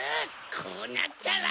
こうなったら！